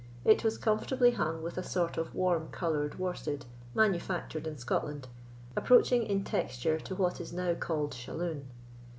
It was comfortably hung with a sort of warm coloured worsted, manufactured in Scotland, approaching in texture to what is now called shalloon.